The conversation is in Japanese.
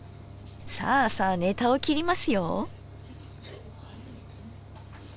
さあさあネタを切りますよ。